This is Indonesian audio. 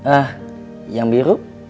ah yang biru